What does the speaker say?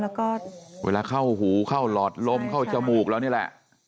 แล้วก็เวลาเข้าหูเข้าหลอดลมเข้าจมูกเรานี่แหละ